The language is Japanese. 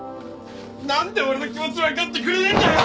なんで俺の気持ちわかってくれねえんだよ！